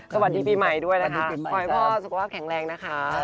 สวัสดีปีใหม่ด้วยนะคะขอให้พ่อสุขภาพแข็งแรงนะคะ